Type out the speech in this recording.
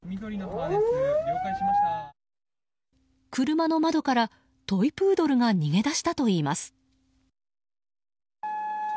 車の窓からトイプードルが逃げ出したといいます。